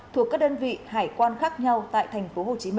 thuộc các đơn vị hải quan khác nhau tại tp hcm